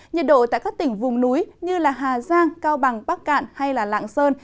nhiệt độ tại các tỉnh vùng núi như hà giang cao bằng bắc cạn hay lạng sơn